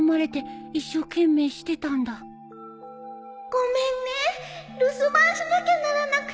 ごめんね